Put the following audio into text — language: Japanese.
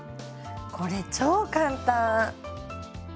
これ超簡単！